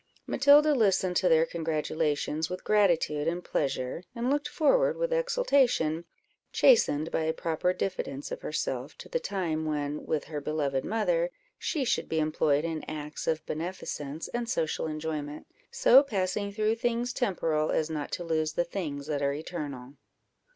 Matilda listened to their congratulations with gratitude and pleasure, and looked forward with exultation, chastened by a proper diffidence of herself, to the time when, with her beloved mother, she should be employed in acts of beneficence and social enjoyment "So passing through things temporal, as not to lose the things that are eternal."